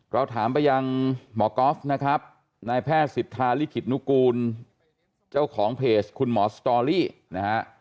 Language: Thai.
เราถามไปยังหมอก๊อฟนะครับนายแพทย์สิทธาลิขิตนุกูลเจ้าของเพจคุณหมอสตอรี่นะฮะ